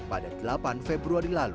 pada delapan februari lalu